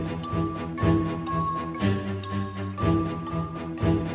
เพลงที่สองมูลค่าสองหมื่นบาท